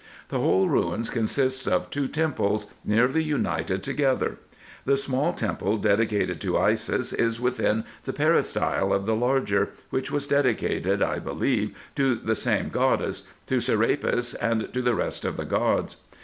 The whole ruins consist of two temples, nearly united together. The small temple, dedicated to Isis, is within the peristyle of the larger, which was dedicated, I believe, to the same goddess, to Serapis, and to the rest of the gods.